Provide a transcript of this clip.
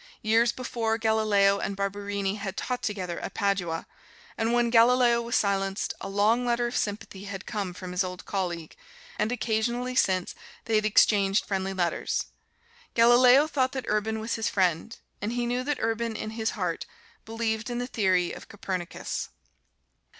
Years before, Galileo and Barberini had taught together at Padua, and when Galileo was silenced, a long letter of sympathy had come from his old colleague, and occasionally since they had exchanged friendly letters. Galileo thought that Urban was his friend, and he knew that Urban, in his heart, believed in the theory of Copernicus.